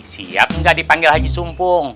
siap nggak dipanggil haji sumpung